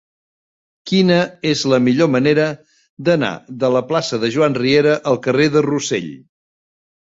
Quina és la millor manera d'anar de la plaça de Joan Riera al carrer de Rossell?